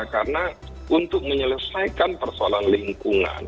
karena untuk menyelesaikan persoalan lingkungan